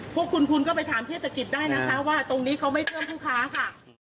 พวกคุณคุณก็ไปถามเทศกิจได้นะคะว่าตรงนี้เขาไม่เพิ่มผู้ค้าค่ะ